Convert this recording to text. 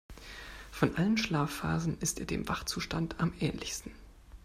Von allen Schlafphasen ist er dem Wachzustand am ähnlichsten.